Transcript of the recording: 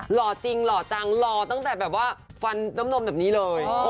หล่อจริงหล่อจังหล่อตั้งแต่แบบว่าฟันน้ำนมแบบนี้เลย